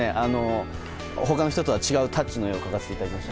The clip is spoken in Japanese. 他の人とは違うタッチの絵を描かせていただきました。